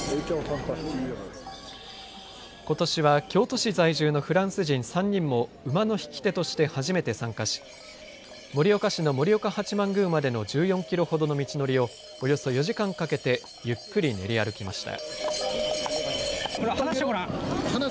ことしは京都市在住のフランス人３人も馬の引き手として初めて参加し盛岡市の盛岡八幡宮までの１４キロほどの道のりをおよそ４時間かけてゆっくり練り歩きました。